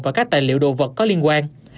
và các tài liệu đồ vật có liên quan